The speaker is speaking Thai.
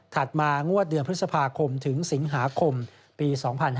มางวดเดือนพฤษภาคมถึงสิงหาคมปี๒๕๕๙